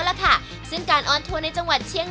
ขอบคุณครับ